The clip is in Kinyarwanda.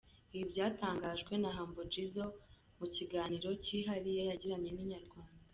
Ibi byatangajwe na Humble G mu kiganiro kihariye yagiranye na Inyarwanda.